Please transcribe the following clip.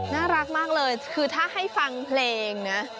น่ารักมากเลยคือถ้าให้ฟังเพลงนะ